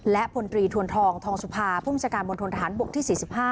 และพลตรีทวนทองทองสุภาผู้อุจจาการบนทวนทหารบกที่๔๕